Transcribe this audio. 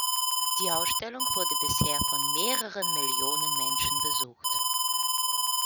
Die Ausstellung wurde bisher von mehreren Millionen Menschen besucht.